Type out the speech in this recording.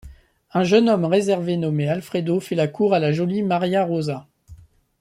Un jeune homme réservé nommé Alfredo fait la cour à la jolie Maria Rosa.